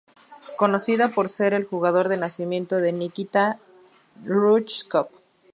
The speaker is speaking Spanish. Conocida por ser el lugar de nacimiento de Nikita Jrushchov.